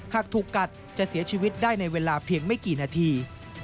หากถูกกัดจะเสียชีวิตได้ในเวลาเพียงไม่กี่นาที